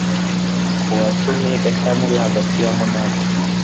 ku wa cumi gashyantare hagati ya munani